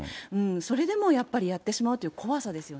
それでもやっぱりやってしまうという怖さですよね。